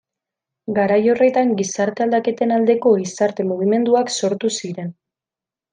Garai horretan gizarte aldaketen aldeko gizarte mugimenduak sortu ziren.